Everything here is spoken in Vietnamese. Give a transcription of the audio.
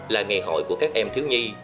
là ngày hội của các em thiếu nhi